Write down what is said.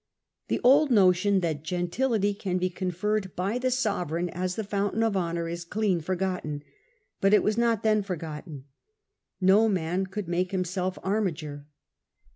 The old notion that gentility can be conferred by the sovereign as the fountain of honour is clean forgotten. But it was not then forgotten. No man could make himself armiger.